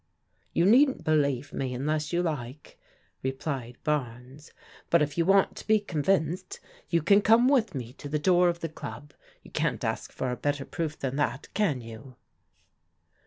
"You needn't believe me unless you like," replied Barnes, " but if you want to be convinced, you can come with me to the door of the club. You can't ask for a better proof than that, can you?